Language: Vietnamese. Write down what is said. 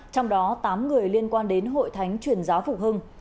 trong đó tám người liên quan đến hội thánh truyền giáo phục hưng